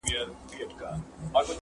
o ژوند د درسونو مجموعه ده تل,